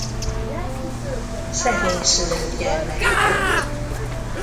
Szegény szülők gyermeke volt.